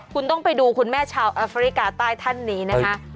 คุณต้องไปดูคุณแม่ชาวแอฟริกาใต้ท่านนี้นะคะ